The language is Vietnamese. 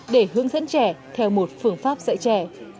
để hướng dẫn trẻ theo một phương pháp dạy trẻ